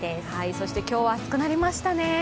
そして今日は暑くなりましたね。